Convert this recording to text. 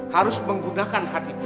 harus menggunakan hati punya